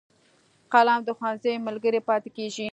قلم د ښوونځي ملګری پاتې کېږي